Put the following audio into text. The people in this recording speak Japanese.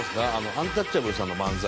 アンタッチャブルさんの漫才は。